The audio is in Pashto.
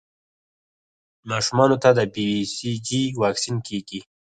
ماشومانو ته د بي سي جي واکسین کېږي.